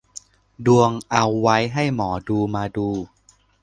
ดวงเอาไว้ให้หมอดูมาดู